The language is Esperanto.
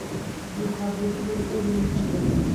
Ĝi havis nur unu linion.